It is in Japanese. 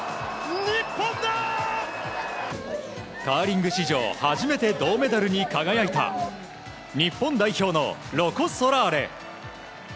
カーリング史上初めて銅メダルに輝いた日本代表のロコ・ソラーレ。